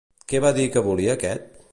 Què va dir que volia aquest?